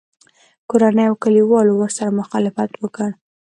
کورنۍ او کلیوالو ورسره مخالفت وکړ